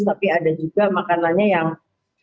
tapi ada juga makanannya yang kurang bagus